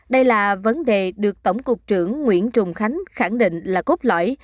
đây là vấn đề được tổng cục trưởng nguyễn trùng khánh khẳng định là cốt lõi